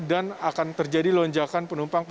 dan akan terjadi lonjakan